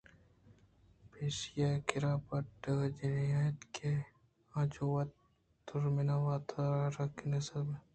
پشّی ئِے کّرا بَٹاک جنی ءَاَت کہ آ چہ وتی دژمناں وتارا رکہّینّگ ءِ صد ہُنپ زانت